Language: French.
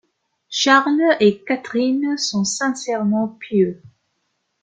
Charles et Catherine sont sincèrement pieux.